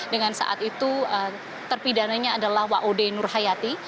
dengan saat itu terpidananya adalah waode nurhayati